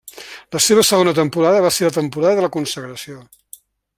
La seva segona temporada va ser la temporada de la consagració.